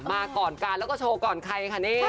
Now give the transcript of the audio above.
มาก่อนกาดแล้วก็โชว์ก่อนใครค่ะ